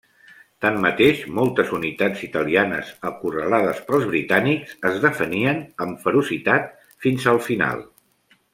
Tanmateix, moltes unitats italianes acorralades pels britànics es defenien amb ferocitat fins al final.